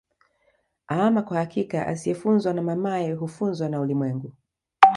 Aama kwa hakika asiyefunzwa na mamaye hufuzwa na ulimwengu